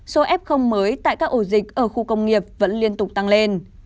các mắc không mới tại các ổ dịch ở khu công nghiệp vẫn liên tục tăng lên